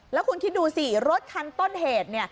แล้วคุณคิดดูสิรถคันต้นเหตุ